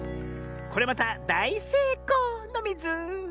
これまただいせいこうのミズ！